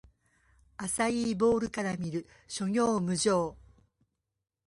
アサイーボウルから見る！諸行無常